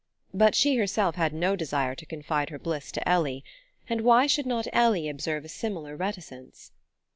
But she herself had no desire to confide her bliss to Ellie; and why should not Ellie observe a similar reticence?